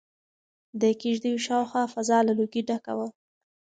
د کيږديو شاوخوا فضا له لوګي ډکه وه.